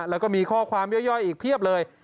แล้วก็มีข้อความย่อยอีกเพียบเลย